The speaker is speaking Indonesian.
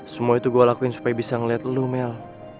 semua itu gue lakuin supaya bisa ngeliat lo mel